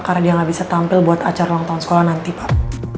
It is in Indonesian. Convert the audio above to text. karena dia nggak bisa tampil buat acara ulang tahun sekolah nanti pak